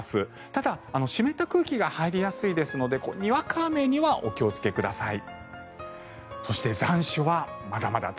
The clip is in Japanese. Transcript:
ただ、湿った空気が入りやすいですのでにわか雨にはお気をつけください。